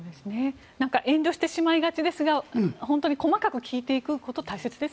遠慮してしまいがちですが細かく聞いていくことが大事ですね。